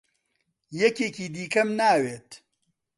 یەکێکی دیکەم ناوێت.